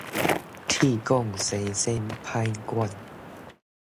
鐵管生鉎，歹管